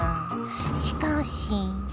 しかし！